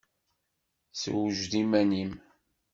Ssewjed iman-im!